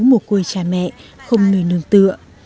một quê cha mẹ không nơi nương tựa